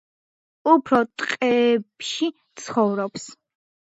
უფრო ტყეებში ცხოვრობს.